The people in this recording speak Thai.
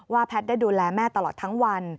แพทย์ได้ดูแลแม่ตลอดทั้งวัน